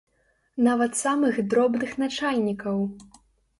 Нават самых дробных начальнікаў!